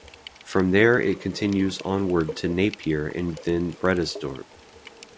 From there it continues onward to Napier and then Bredasdorp.